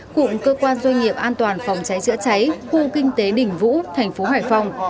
cụng cơ quan doanh nghiệp an toàn phòng cháy chữa cháy khu kinh tế đỉnh vũ tp hải phòng